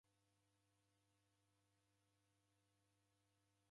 Wazerwa w'isekeenda kwaw'o.